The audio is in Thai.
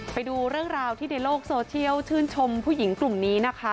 ไปดูเรื่องราวที่ในโลกโซเชียลชื่นชมผู้หญิงกลุ่มนี้นะคะ